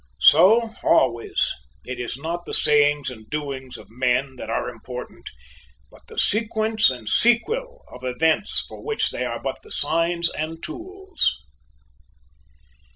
So, always, it is not the sayings and doings of men that are important but the sequence and sequel of events for which they are but the signs and tools.